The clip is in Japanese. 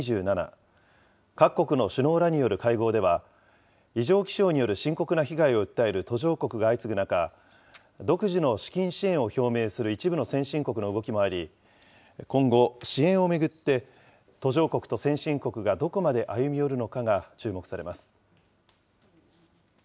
各国の首脳らによる会合では、異常気象による深刻な被害を訴える途上国が相次ぐ中、独自の資金支援を表明する一部の先進国の動きもあり、今後、支援を巡って途上国と先進国がどこまで歩み寄るのかが注目されます。